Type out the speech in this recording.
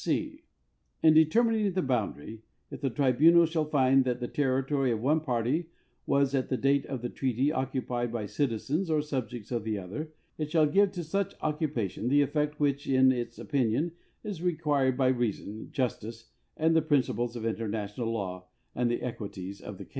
(c) In determining the boundary, if the tribunal shall find that the territory of one party was at the date of this treaty oc cupied by citizens or subjects of the other, it shall give to such occupation the effect which in its opinion is required by reason, justice, the principles of international law, and the equities of the case.